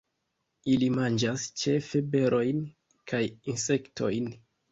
Ili manĝas ĉefe berojn kaj insektojn.